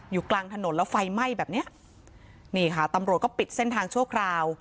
กลางถนนแล้วไฟไหม้แบบเนี้ยนี่ค่ะตำรวจก็ปิดเส้นทางชั่วคราว